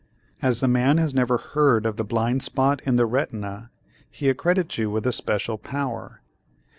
As the man has never heard of the blind spot in the retina, he accredits you with a special power.